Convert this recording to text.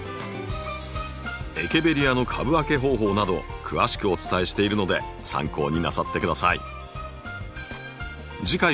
エケベリアの株分け方法など詳しくお伝えしているので参考になさって下さい。